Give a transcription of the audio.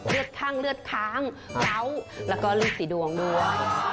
เลือดข้างเลือดค้างเยาะแล้วก็ฤทธิ์สิรวงด้วย